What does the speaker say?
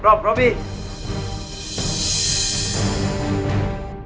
pak man benar benar jahat